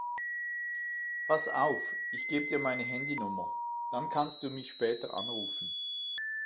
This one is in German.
Pass auf, ich gebe dir meine Handynummer, dann kannst du mich später anrufen.